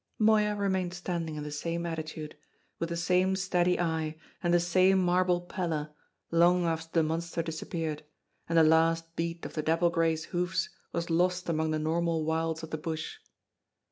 Moya remained standing in the same attitude, with the same steady eye and the same marble pallor, long after the monster disappeared, and the last beat of the dapple grey's hoofs was lost among the normal wilds of the bush.